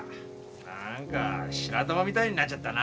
何か白玉みたいになっちゃったな。